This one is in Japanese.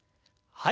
はい。